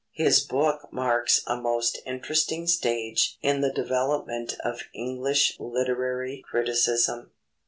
His book marks a most interesting stage in the development of English literary criticism.